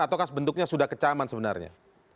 atau bentuknya sudah kecaman sebenarnya